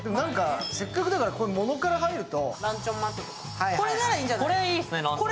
せっかくだからこういう物から入ると。